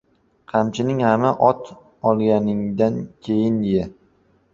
Qamchining gʻamini ot olganingdan keyin ye.